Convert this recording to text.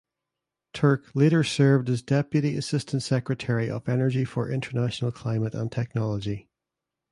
Turk later served as Deputy Assistant Secretary of Energy for International Climate and Technology.